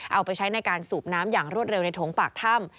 เอาไปใช้ในการสูบน้ำอย่างรวดเร็วในโถงปากถ้ำ